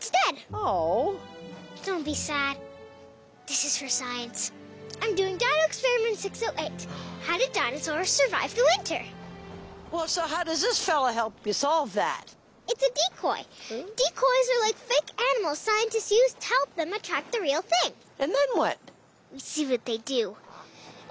ああ。